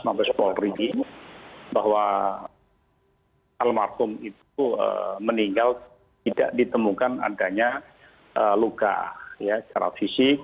mabes polri bahwa almarhum itu meninggal tidak ditemukan adanya luka secara fisik